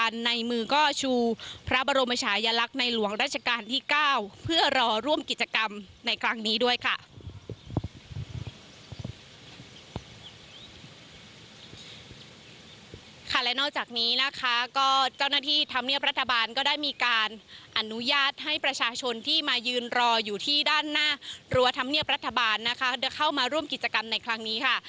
และนอกจากนี้นะคะก็เจ้าหน้าที่ธรรมเนียบรัฐบาลก็ได้มีการอนุญาตให้ประชาชนที่มายืนรออยู่ที่ด้านหน้ารั้วธรรมเนียบรัฐบาลนะคะเข้ามาร่วมกิจกรรมในครั้งนี้ค่ะ